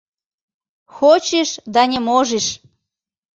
Хочиш да не можиш!